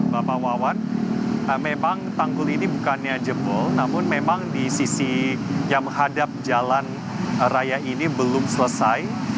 bapak wawan memang tanggul ini bukannya jebol namun memang di sisi yang menghadap jalan raya ini belum selesai